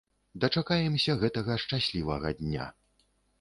Дачакаемся гэтага шчаслівага дня.